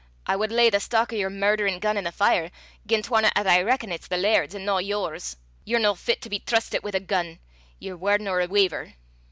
I wad lay the stock o' yer murderin' gun i' the fire gien 'twarna 'at I reckon it's the laird's an' no yours. Ye're no fit to be trustit wi' a gun. Ye're waur nor a weyver."